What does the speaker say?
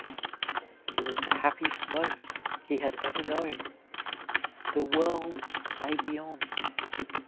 It was the happiest moment he had ever known. The world lay beyond.